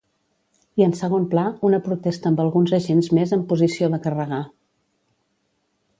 I en segon pla, una protesta amb alguns agents més en posició de carregar.